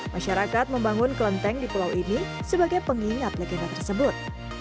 masyarakat membangun kelenteng di pulau ini sebagai pengingat legenda tersebut